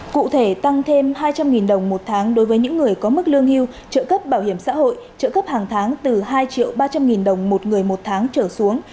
cụ thể tăng thêm hai trăm linh đồng một tháng đối với những người có mức lương hưu trợ cấp bảo hiểm xã hội trợ cấp hàng tháng từ hai triệu ba trăm linh nghìn đồng một người một tháng trở xuống